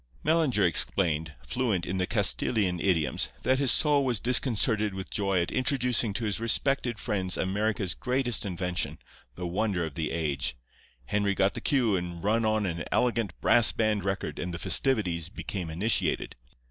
"Mellinger explained, fluent, in the Castilian idioms, that his soul was disconcerted with joy at introducing to his respected friends America's greatest invention, the wonder of the age. Henry got the cue and run on an elegant brass band record and the festivities became initiated.